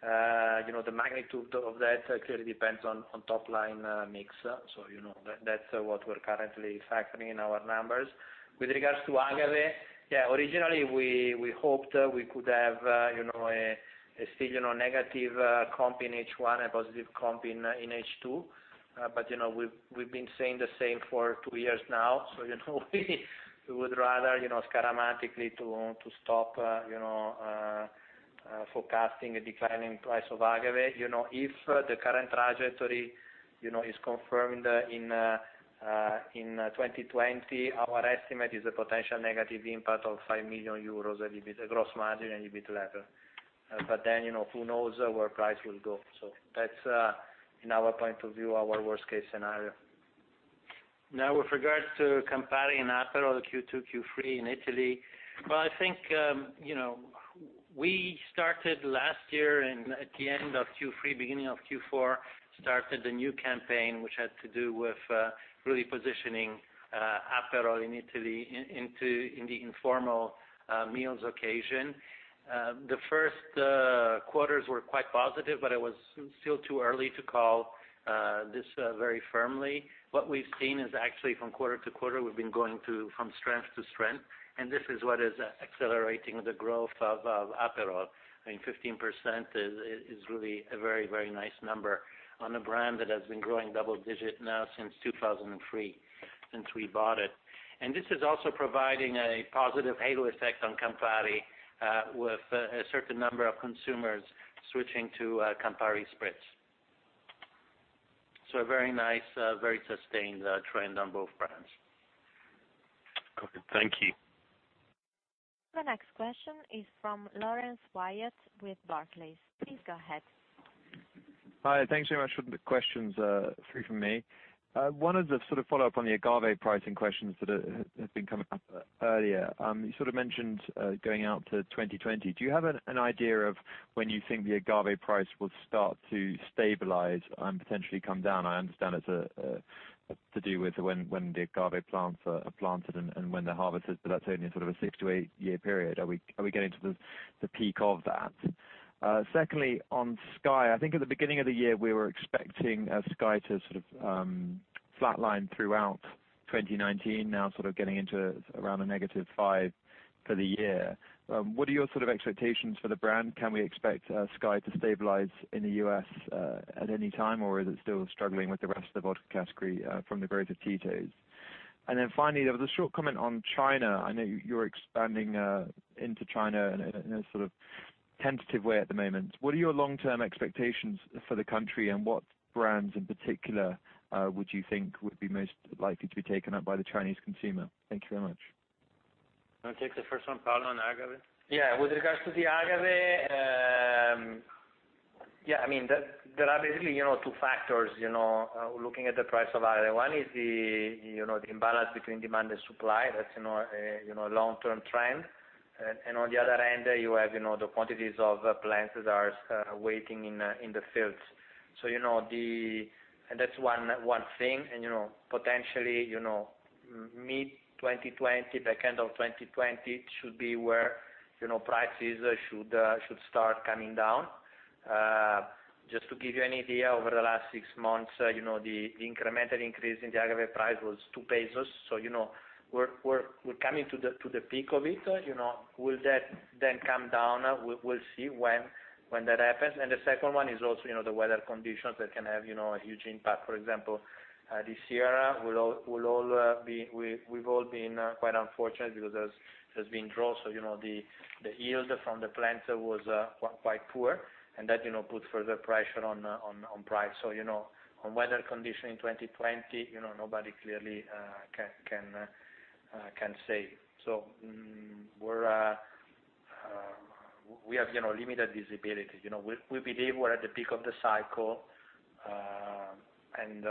The magnitude of that clearly depends on top-line mix. That's what we're currently factoring in our numbers. With regards to agave, yeah, originally we hoped we could have a still negative comp in H1 and positive comp in H2. We've been saying the same for two years now, we would rather dramatically to stop forecasting a declining price of agave. If the current trajectory is confirmed in 2020, our estimate is a potential negative impact of €5 million EBIT, gross margin and EBIT level. Who knows where price will go. That's, in our point of view, our worst-case scenario. With regards to Campari and Aperol Q2, Q3 in Italy, well, we started last year and at the end of Q3, beginning of Q4, started a new campaign, which had to do with really positioning Aperol in Italy in the informal meals occasion. The first quarters were quite positive, but it was still too early to call this very firmly. What we've seen is actually from quarter to quarter, we've been going from strength to strength, and this is what is accelerating the growth of Aperol. I mean, 15% is really a very nice number on a brand that has been growing double-digit now since 2003, since we bought it. This is also providing a positive halo effect on Campari, with a certain number of consumers switching to Campari Spritz. A very nice, very sustained trend on both brands. Okay. Thank you. The next question is from Laurence Whyatt with Barclays. Please go ahead. Hi. Thanks very much for the questions. Three from me. One is a sort of follow-up on the agave pricing questions that have been coming up earlier. You sort of mentioned, going out to 2020. Do you have an idea of when you think the agave price will start to stabilize and potentially come down? I understand it's to do with when the agave plants are planted and when they're harvested, but that's only in sort of a six to eight-year period. Are we getting to the peak of that? Secondly, on SKYY. I think at the beginning of the year, we were expecting SKYY to sort of flatline throughout 2019. Now sort of getting into around a negative five for the year. What are your sort of expectations for the brand? Can we expect SKYY to stabilize in the U.S. at any time, or is it still struggling with the rest of the vodka category from the growth of Tito's? Finally, there was a short comment on China. I know you're expanding into China in a sort of tentative way at the moment. What are your long-term expectations for the country, and what brands in particular would you think would be most likely to be taken up by the Chinese consumer? Thank you very much. I'll take the first one, Paolo, on agave. Yeah. With regards to the agave, there are basically two factors looking at the price of agave. One is the imbalance between demand and supply. That's a long-term trend. On the other hand, you have the quantities of plants that are waiting in the fields. That's one thing. Potentially, mid-2020, back end of 2020 should be where prices should start coming down. Just to give you an idea, over the last 6 months, the incremental increase in the agave price was 2 pesos. We're coming to the peak of it. Will that then come down? We'll see when that happens. The second one is also the weather conditions that can have a huge impact. For example, this year, we've all been quite unfortunate because it has been drought. The yield from the plants was quite poor, and that put further pressure on price. On weather condition in 2020, nobody clearly can say. We have limited visibility. We believe we're at the peak of the cycle, and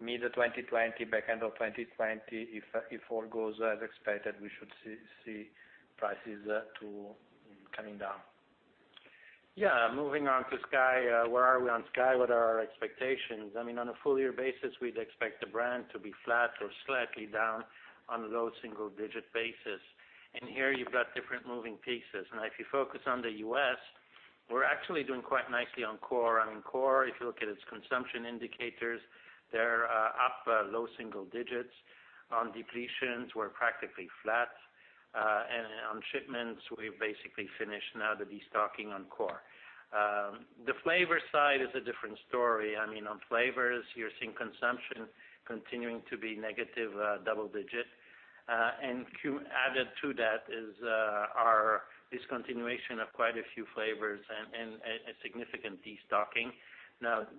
mid-2020, back end of 2020, if all goes as expected, we should see prices too coming down. Moving on to SKYY. Where are we on SKYY? What are our expectations? I mean, on a full year basis, we'd expect the brand to be flat or slightly down on a low single-digit basis. Here you've got different moving pieces. If you focus on the U.S., we're actually doing quite nicely on core. I mean, core, if you look at its consumption indicators, they're up low single digits. On depletions, we're practically flat. On shipments, we've basically finished now the destocking on core. The flavor side is a different story. On flavors, you're seeing consumption continuing to be negative double digit. Added to that is our discontinuation of quite a few flavors and a significant destocking.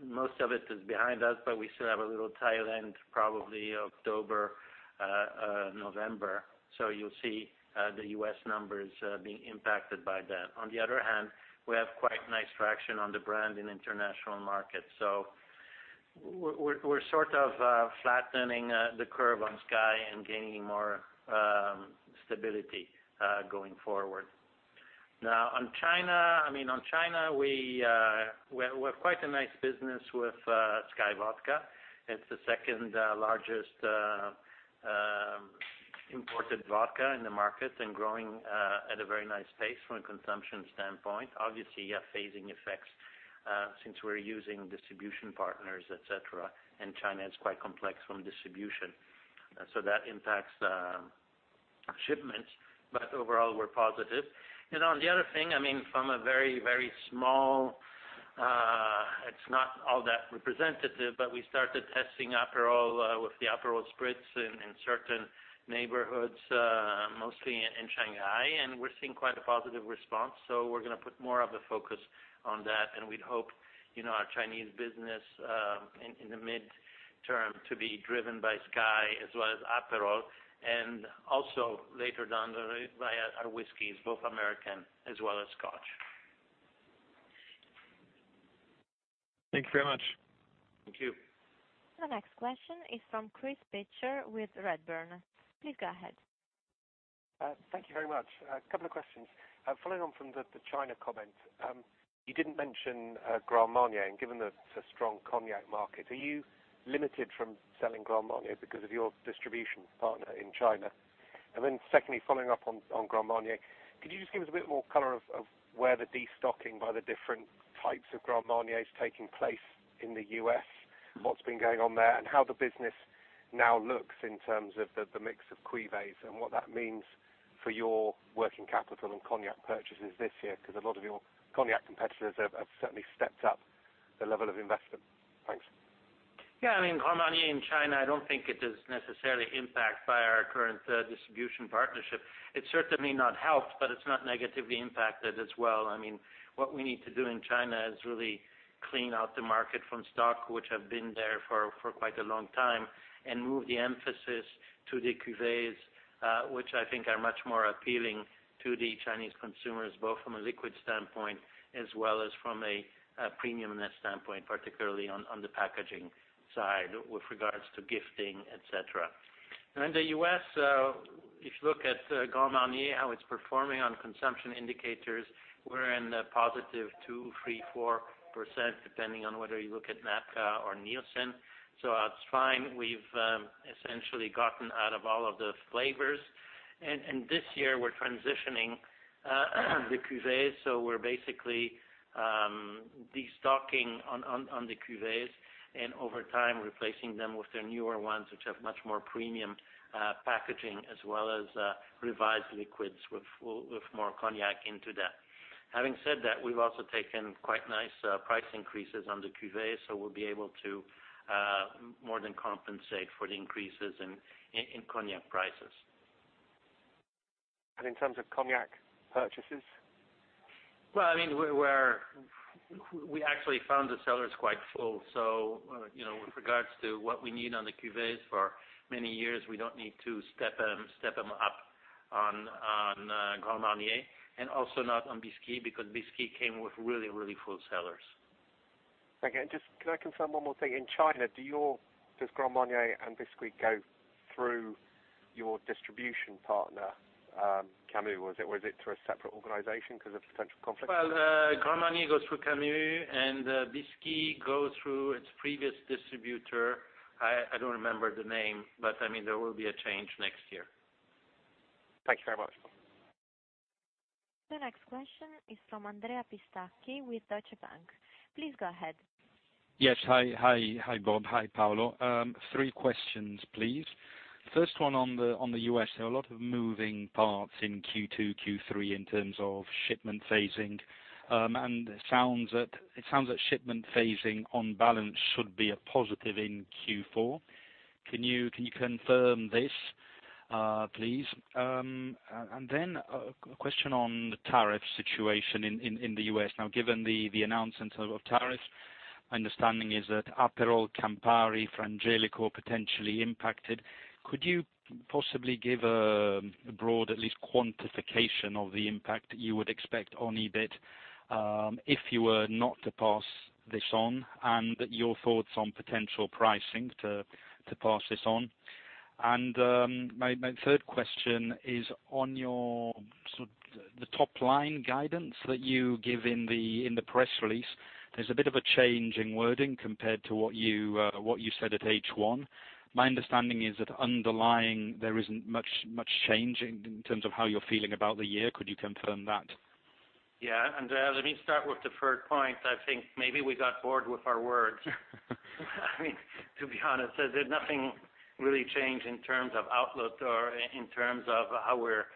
Most of it is behind us, but we still have a little tail end, probably October, November. You'll see the U.S. numbers being impacted by that. On the other hand, we have quite nice traction on the brand in international markets, so we're sort of flattening the curve on SKYY and gaining more stability going forward. On China, we have quite a nice business with SKYY Vodka. It's the second-largest imported vodka in the market and growing at a very nice pace from a consumption standpoint. Obviously, you have phasing effects, since we're using distribution partners, et cetera, and China is quite complex from distribution. That impacts shipments, but overall, we're positive. On the other thing, from a very small, it's not all that representative, but we started testing Aperol with the Aperol Spritz in certain neighborhoods, mostly in Shanghai, and we're seeing quite a positive response. We're going to put more of a focus on that, and we'd hope our Chinese business in the mid-term to be driven by SKYY as well as Aperol, and also later down the road via our whiskeys, both American as well as Scotch. Thank you very much. Thank you. The next question is from Chris Pitcher with Redburn. Please go ahead. Thank you very much. A couple of questions. Following on from the China comment. You didn't mention Grand Marnier, and given the strong cognac market, are you limited from selling Grand Marnier because of your distribution partner in China? Secondly, following up on Grand Marnier, could you just give us a bit more color of where the destocking by the different types of Grand Marnier is taking place in the U.S., what's been going on there, and how the business now looks in terms of the mix of cuvées and what that means for your working capital and cognac purchases this year? A lot of your cognac competitors have certainly stepped up their level of investment. Thanks. Yeah. Grand Marnier in China, I don't think it is necessarily impacted by our current distribution partnership. It certainly not helped, but it's not negatively impacted as well. What we need to do in China is really clean out the market from stock, which have been there for quite a long time, and move the emphasis to the cuvées, which I think are much more appealing to the Chinese consumers, both from a liquid standpoint as well as from a premiumness standpoint, particularly on the packaging side with regards to gifting, et cetera. In the U.S., if you look at Grand Marnier, how it's performing on consumption indicators, we're in the positive 2%, 3%, 4%, depending on whether you look at NABCA or Nielsen. That's fine. We've essentially gotten out of all of the flavors. This year we're transitioning the cuvées. We're basically destocking on the cuvées and over time replacing them with their newer ones, which have much more premium packaging as well as revised liquids with more cognac into that. Having said that, we've also taken quite nice price increases on the cuvées, we'll be able to more than compensate for the increases in cognac prices. In terms of cognac purchases? We actually found the cellars quite full. With regards to what we need on the cuvées for many years, we don't need to step them up on Grand Marnier and also not on Bisquit, because Bisquit came with really full cellars. Okay. Can I confirm one more thing? In China, does Grand Marnier and Bisquit go through your distribution partner, Camus? Or was it through a separate organization because of potential conflicts? Well, Grand Marnier goes through Camus, and Bisquit goes through its previous distributor. I don't remember the name, but there will be a change next year. Thank you very much. The next question is from Andrea Pistacchi with Deutsche Bank. Please go ahead. Yes. Hi, Bob. Hi, Paolo. Three questions, please. First one on the U.S. There are a lot of moving parts in Q2, Q3 in terms of shipment phasing. It sounds like shipment phasing on balance should be a positive in Q4. Can you confirm this, please? Then a question on the tariff situation in the U.S. Now, given the announcement of tariffs, my understanding is that Aperol, Campari, Frangelico potentially impacted. Could you possibly give a broad, at least quantification of the impact you would expect on EBIT if you were not to pass this on, and your thoughts on potential pricing to pass this on? My third question is on your top-line guidance that you give in the press release. There's a bit of a change in wording compared to what you said at H1. My understanding is that underlying, there isn't much change in terms of how you're feeling about the year. Could you confirm that? Yeah. Andrea, let me start with the third point. I think maybe we got bored with our words. To be honest, nothing really changed in terms of outlook or in terms of how we're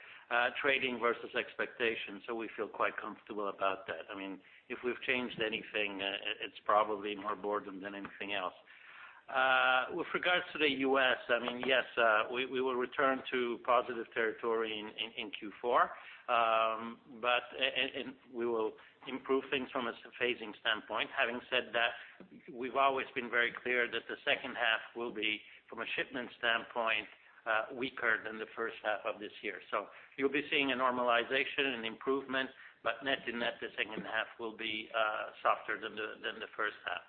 trading versus expectations. We feel quite comfortable about that. If we've changed anything, it's probably more boredom than anything else. With regards to the U.S., yes, we will return to positive territory in Q4. We will improve things from a phasing standpoint. Having said that, we've always been very clear that the second half will be, from a shipment standpoint, weaker than the first half of this year. You'll be seeing a normalization, an improvement, but net in that, the second half will be softer than the first half.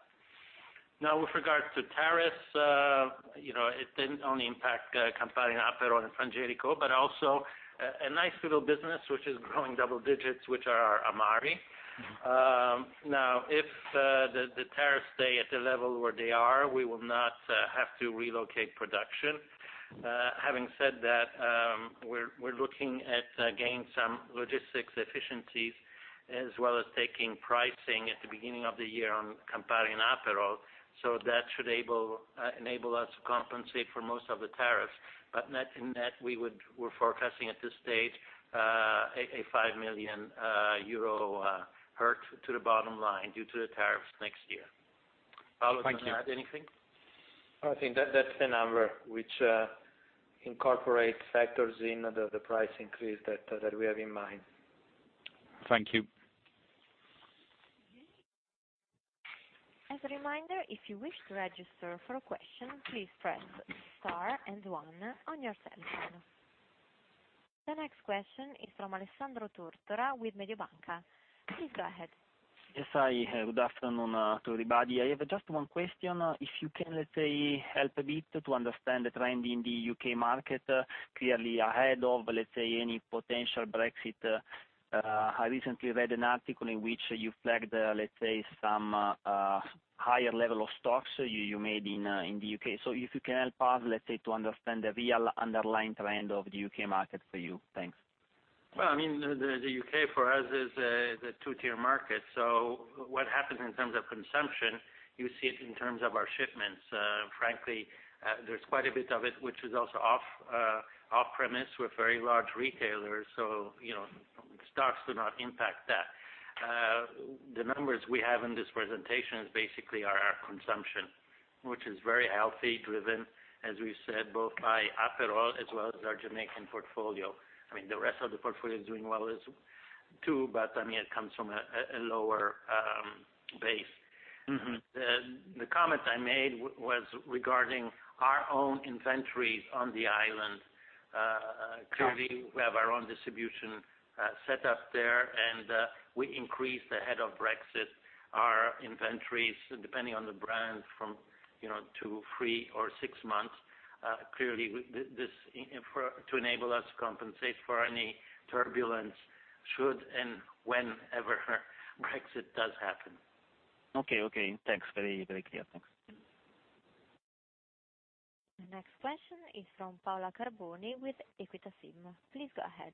With regards to tariffs, it didn't only impact Campari and Aperol and Frangelico, but also a nice little business which is growing double digits, which are amari. If the tariffs stay at the level where they are, we will not have to relocate production. Having said that, we're looking at gain some logistics efficiencies as well as taking pricing at the beginning of the year on Campari and Aperol. That should enable us to compensate for most of the tariffs, but net in that, we're forecasting at this stage a 5 million euro hurt to the bottom line due to the tariffs next year. Paolo, do you want to add anything? I think that's the number which incorporates factors in the price increase that we have in mind. Thank you. As a reminder, if you wish to register for a question, please press Star and One on your cell phone. The next question is from Alessandro Tortora with Mediobanca. Please go ahead. Yes, hi. Good afternoon to everybody. I have just one question. If you can, let's say, help a bit to understand the trend in the U.K. market clearly ahead of any potential Brexit. I recently read an article in which you flagged, let's say, some higher level of stocks you made in the U.K. If you can help us, let's say, to understand the real underlying trend of the U.K. market for you. Thanks. Well, the U.K. for us is a two-tier market. What happens in terms of consumption, you see it in terms of our shipments. Frankly, there's quite a bit of it which is also off-premise with very large retailers. Stocks do not impact that. The numbers we have in this presentation is basically our consumption, which is very healthy, driven, as we said, both by Aperol as well as our Jamaican portfolio. The rest of the portfolio is doing well too, but it comes from a lower base. The comment I made was regarding our own inventories on the island. Clearly, we have our own distribution set up there. We increased, ahead of Brexit, our inventories, depending on the brand, from two, three or six months. Clearly, to enable us to compensate for any turbulence should and whenever Brexit does happen. Okay. Thanks. Very clear. Thanks. The next question is from Paola Carboni with Equita SIM. Please go ahead.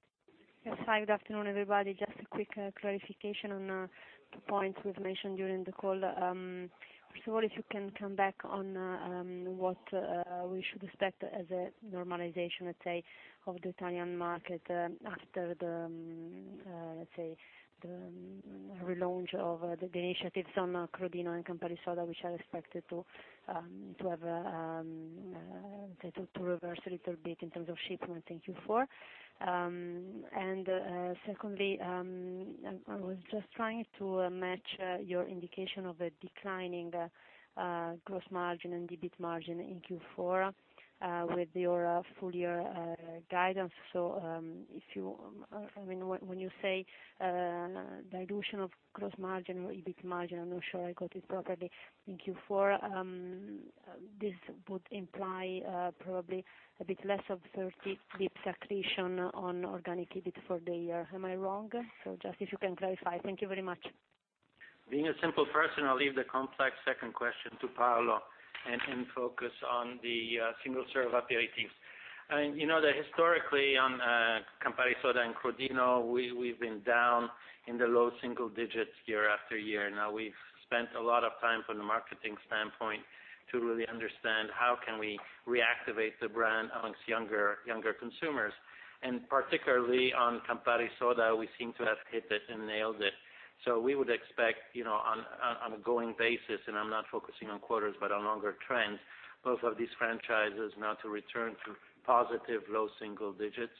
Yes. Hi, good afternoon, everybody. Just a quick clarification on two points we've mentioned during the call. First of all, if you can come back on what we should expect as a normalization, let's say, of the Italian market after the relaunch of the initiatives on Crodino and Campari Soda, which are expected to reverse a little bit in terms of shipment in Q4. Secondly, I was just trying to match your indication of a declining gross margin and EBIT margin in Q4 with your full year guidance. When you say dilution of gross margin or EBIT margin, I'm not sure I got it properly, in Q4, this would imply probably a bit less of 30 basis points accretion on organic EBIT for the year. Am I wrong? Just if you can clarify. Thank you very much. Being a simple person, I'll leave the complex second question to Paolo and focus on the single serve aperitifs. Historically, on Campari Soda and Crodino, we've been down in the low single digits year after year. Now we've spent a lot of time from the marketing standpoint to really understand how can we reactivate the brand amongst younger consumers. Particularly on Campari Soda, we seem to have hit it and nailed it. We would expect on an ongoing basis, and I'm not focusing on quarters, but on longer trends, both of these franchises now to return to positive low single digits.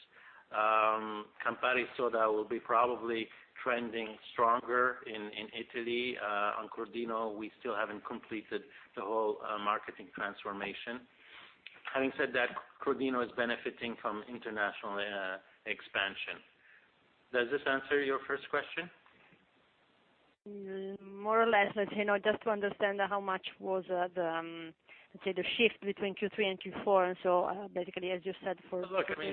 Campari Soda will be probably trending stronger in Italy. On Crodino, we still haven't completed the whole marketing transformation. Having said that, Crodino is benefiting from international expansion. Does this answer your first question? More or less. Just to understand how much was the shift between Q3 and Q4, and so basically, as you said, for the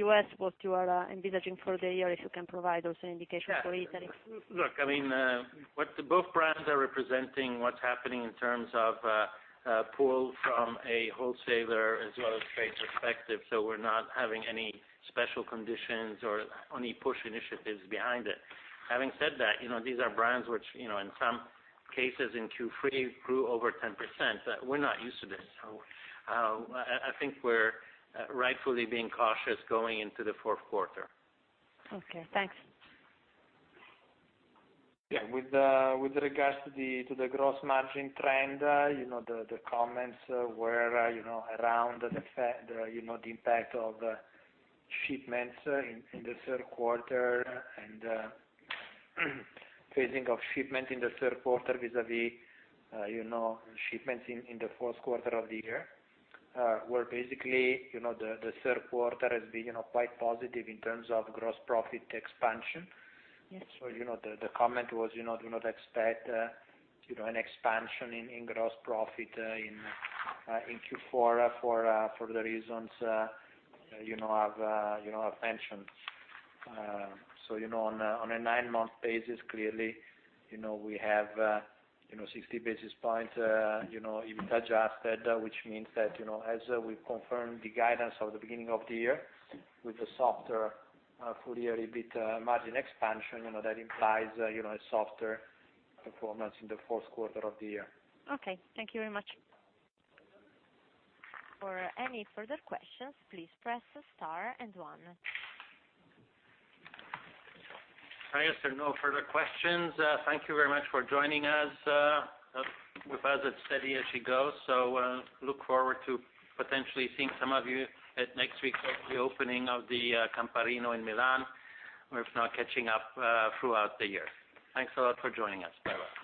U.S., what you are envisaging for the year, if you can provide also an indication for Italy. Look, both brands are representing what's happening in terms of pull from a wholesaler as well as trade perspective. We're not having any special conditions or any push initiatives behind it. Having said that, these are brands which, in some cases, in Q3, grew over 10%, but we're not used to this. I think we're rightfully being cautious going into the fourth quarter. Okay, thanks. Yeah. With regards to the gross margin trend, the comments were around the impact of shipments in the third quarter and phasing of shipment in the third quarter vis-a-vis shipments in the fourth quarter of the year, where basically, the third quarter has been quite positive in terms of gross profit expansion. Yes. The comment was do not expect an expansion in gross profit in Q4 for the reasons mentioned. On a nine-month basis, clearly, we have 60 basis points, EBIT-adjusted, which means that as we confirmed the guidance of the beginning of the year with a softer full year EBIT margin expansion, that implies a softer performance in the fourth quarter of the year. Okay. Thank you very much. For any further questions, please press star and one. If there are no further questions, thank you very much for joining us. With us, it's steady as she goes. Look forward to potentially seeing some of you at next week's reopening of the Camparino in Milan, or if not, catching up throughout the year. Thanks a lot for joining us. Bye-bye.